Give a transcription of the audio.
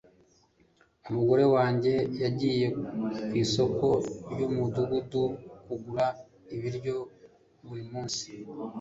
umugore wanjye yagiye ku isoko ryumudugudu kugura ibiryo buri munsi